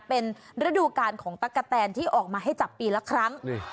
เป็นฤดูการของตั๊กกะแตนที่ออกมาให้จับปีละครั้ง